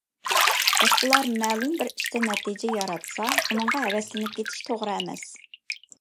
باشقىلار مەلۇم بىر ئىشتا نەتىجە ياراتسا، ئۇنىڭغا ھەۋەسلىنىپ كېتىش توغرا ئەمەس.